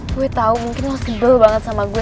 gue tau mungkin lo sedul banget sama gue